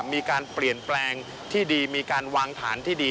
มีการเปลี่ยนแปลงที่ดีมีการวางฐานที่ดี